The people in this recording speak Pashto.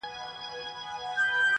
د زلمیو د مستۍ اتڼ پر زور سو-